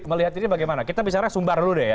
melihat ini bagaimana kita bicara sumbar dulu deh ya